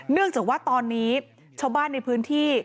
เนื่องจากว่าตอนนี้ชาวบ้านในพื้นที่